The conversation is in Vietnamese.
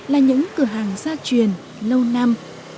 là những cửa hàng gia truyền lâu năm